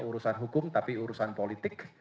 urusan hukum tapi urusan politik